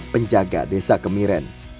penjaga desa kemiren